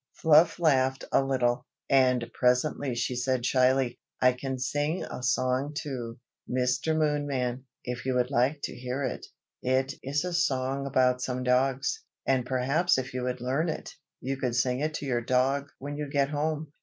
Fluff laughed a little; and presently she said shyly, "I can sing a song too, Mr. Moonman, if you would like to hear it. It is a song about some dogs, and perhaps if you would learn it, you could sing it to your dog when you get home."